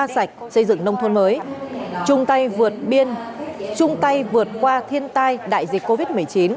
năm trăm linh ba sạch xây dựng nông thôn mới chung tay vượt qua thiên tai đại dịch covid một mươi chín